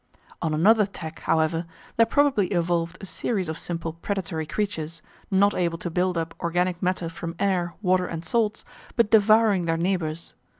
On another tack, however, there probably evolved a series of simple predatory creatures, not able to build up organic matter from air, water, and salts, but devouring their neighbours.